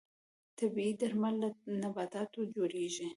طبیعي درمل له نباتاتو جوړیږي